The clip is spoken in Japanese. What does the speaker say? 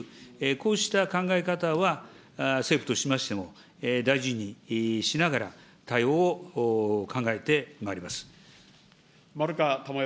こうした考え方は、政府としましても、大事にしながら、対応を考えてまいります。